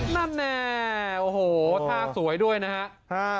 นั่นแน่โอ้โหท่าสวยด้วยนะฮะ